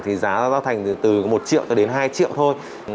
thì giá ra thành từ một triệu đến hai triệu thôi